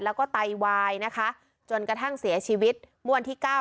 แล้วก็ไตวายนะคะจนกระทั่งเสียชีวิตเมื่อวันที่เก้า